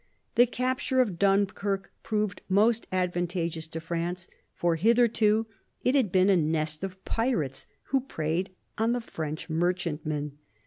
The capture of Dunkirk proved most advantageous to France, for hitherto it had been a nest of pirates who preyed on the French merchantmen.